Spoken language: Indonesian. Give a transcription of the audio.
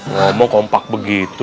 ngomong kompak begitu